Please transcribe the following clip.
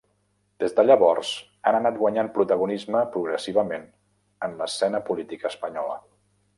Des de llavors han anat guanyant protagonisme progressivament en l'escena política espanyola.